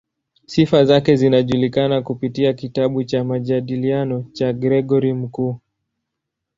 Sifa zake zinajulikana kupitia kitabu cha "Majadiliano" cha Gregori Mkuu.